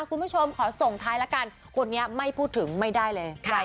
คุณผู้ชมขอส่งท้ายละกันคนนี้ไม่พูดถึงไม่ได้เลย